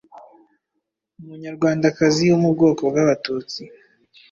Umunyarwandakazi wo mu bwoko bw’Abatutsi